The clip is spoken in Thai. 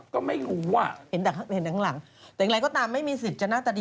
แต่อย่างไรก็ตามไม่มีสิทธิ์จะหน้าแต่ดี